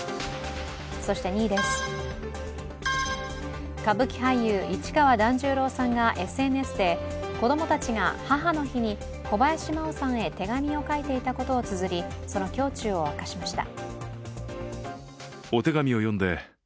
そして２位です歌舞伎俳優・市川團十郎さんがＳＮＳで子供たちが母の日に小林麻央さんへ手紙を書いていたことをつづり、その胸中を明かしました。